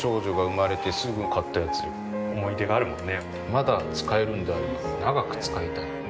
まだ使えるんであれば長く使いたい。